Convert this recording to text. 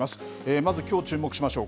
まずきょう、注目しましょう。